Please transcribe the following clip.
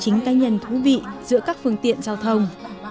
chính cá nhân thú vị giữa các phương tiện giao thông